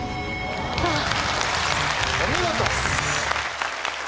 お見事！